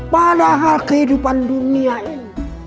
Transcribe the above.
padahal kehidupan dunia ini